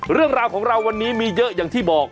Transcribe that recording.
เรื่องราวของเราวันนี้มีเยอะอย่างที่บอก